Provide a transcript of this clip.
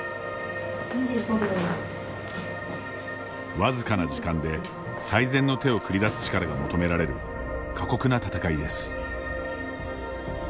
僅かな時間で最善の手を繰り出す力が求められる過酷な戦いです。